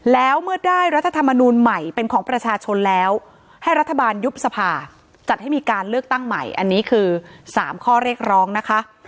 แล้วเมื่อได้รัฐธรรมนูลใหม่เป็นของประชาชนแล้วให้รัฐบาลยุบสภาจัดให้มีการเลือกตั้งใหม่อันนี้คือ๓ข้อเรียกร้องนะคะ